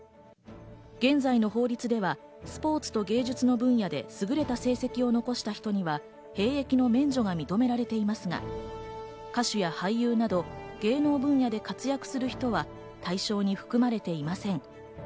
現在の法律ではスポーツと芸術の分野で優れた成績を残した人には兵役の免除が認められていますが、歌手や俳優など芸能分野で活躍する人は対象に含まれていません。